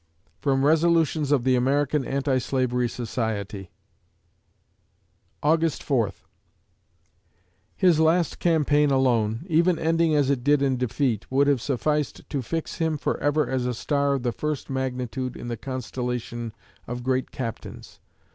From Resolutions of the American Anti Slavery Society August Forth His last campaign alone, even ending as it did in defeat, would have sufficed to fix him forever as a star of the first magnitude in the constellation of great captains.